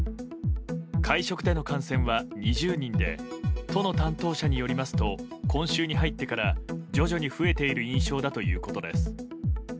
会食での感染は２０人で都の担当者によりますと今週に入ってから徐々に増えている印象だということです。